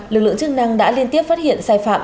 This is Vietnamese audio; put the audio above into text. lực lượng chức năng đã liên tiếp phát hiện sai phạm